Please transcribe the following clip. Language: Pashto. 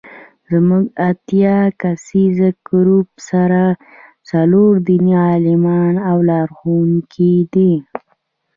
زموږ اتیا کسیز ګروپ سره څلور دیني عالمان او لارښوونکي دي.